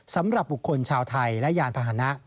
สำหรับบุคคลชาวไทยและยานพาหนะ